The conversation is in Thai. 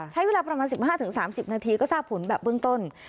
ใช้เวลาประมาณ๑๕๓๐นาทีก็ทราบผลแบบเบื้องต้น